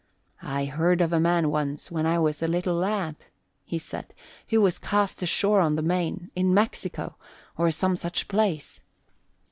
"I heard of a man once, when I was a little lad," he said, "who was cast ashore on the main, in Mexico or some such place.